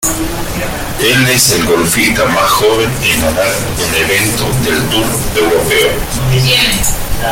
Él es el golfista más joven en ganar un evento del Tour Europeo.